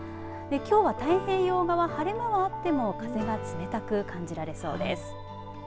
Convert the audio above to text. きょうは太平洋側晴れ間はあっても風が冷たく感じられそうです。